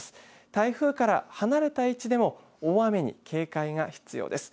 台風から離れた位置でも大雨に警戒が必要です。